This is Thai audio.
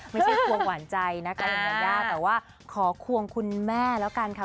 ไม่ใช่ควงหวานใจนะคะแต่ว่าขอควงคุณแม่แล้วกันค่ะ